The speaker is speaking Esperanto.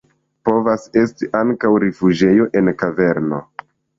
Povas esti ankaŭ rifuĝejo en kaverno.